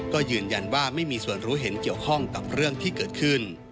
ก็ยืนยันว่าไม่มีส่วนรู้เห็นเกี่ยวข้องกับเรื่องที่เกิดขึ้น